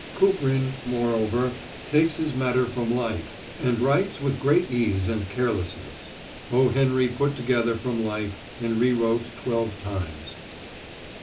Kuprin, moreover, takes his matter from life and writes with great ease and carelessness; O. Henry put together from life and re wrote twelve times.